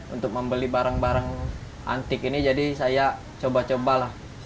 untuk membeli barang barang antik ini jadi saya coba coba lah